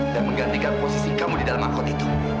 dan menggantikan posisi kamu di dalam angkot itu